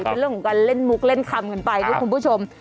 เป็นเรื่องของการเล่นมุกเล่นคำกันไปนะคุณผู้ชม